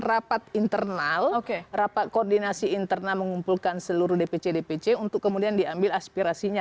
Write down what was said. rapat internal rapat koordinasi internal mengumpulkan seluruh dpc dpc untuk kemudian diambil aspirasinya